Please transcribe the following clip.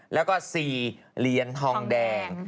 แล้วก็๔เหรียญทองแดง